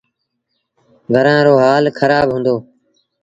گھرآݩ رو هآل کرآب هُݩدو۔